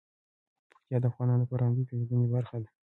پکتیکا د افغانانو د فرهنګي پیژندنې برخه ده.